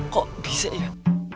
kok bisa ya